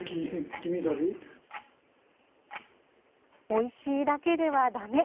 おいしいだけではだめ。